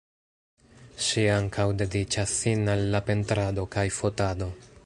Ŝi ankaŭ dediĉas sin al la pentrado kaj fotado.